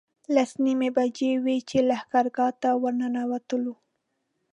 لس نیمې بجې وې چې لښکرګاه ته ورنوتلو.